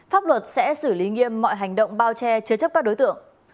pháp luật sẽ xử lý nghiêm mọi hành động bao che chứa chấp các đối tượng